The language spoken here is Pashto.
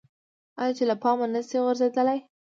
آیا چې له پامه نشي غورځیدلی؟